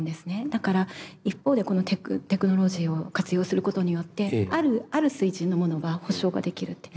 だから一方でこのテクノロジーを活用することによってある水準のものは保証ができるって。